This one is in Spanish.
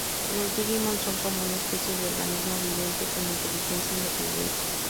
Los Digimon son como una especie de organismo viviente con inteligencia independiente.